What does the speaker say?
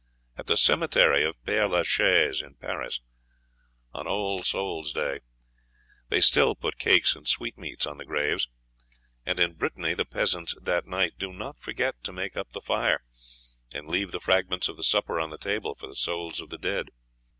At the cemetery of Père la Chaise, Paris, on All souls day, they "still put cakes and sweetmeats on the graves; and in Brittany the peasants that night do not forget to make up the fire and leave the fragments of the supper on the table for the souls of the dead."